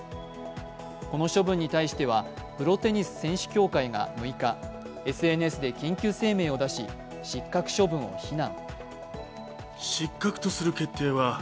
この処分に対しては、プロテニス選手協会が６日、ＳＮＳで緊急声明を出し失格処分を非難。